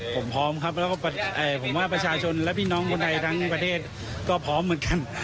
ผมพร้อมครับแล้วก็ผมว่าประชาชนและพี่น้องคนไทยทั้งประเทศก็พร้อมเหมือนกัน